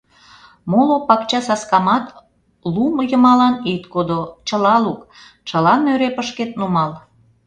Моло пакчасаскамат лум йымалан ит кодо — чыла лук, чыла нӧрепышкет нумал.